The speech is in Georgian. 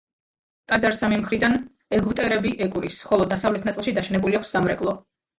ტაძარს სამი მხრიდან ეგვტერები ეკვრის, ხოლო დასავლეთ ნაწილში დაშენებული აქვს სამრეკლო.